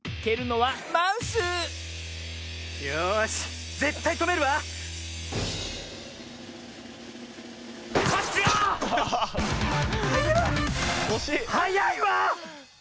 はやいわ！